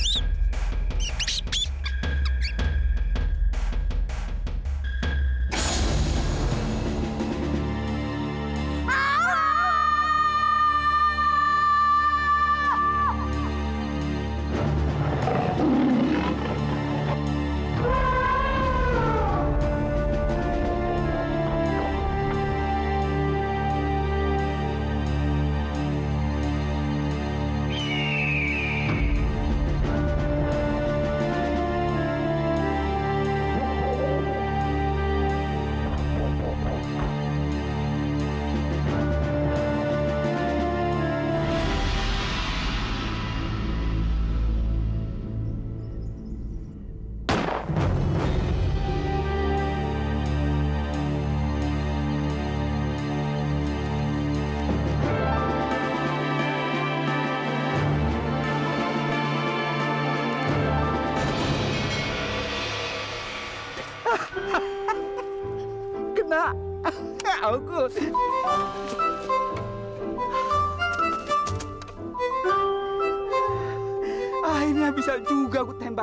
sampai jumpa di video selanjutnya